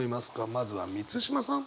まずは満島さん。